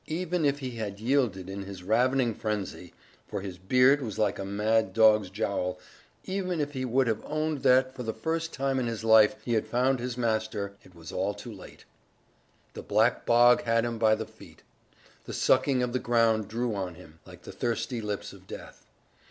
Even if he had yielded in his ravening frenzy for his beard was like a mad dog's jowl even if he would have owned that for the first time in his life he had found his master, it was all too late. The black bog had him by the feet; the sucking of the ground drew on him, like the thirsty lips of death.